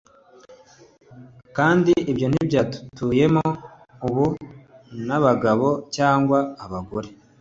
Kandi ibyo ntibyatuyemo ubu nabagabo cyangwa abagore